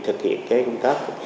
thực hiện cái công tác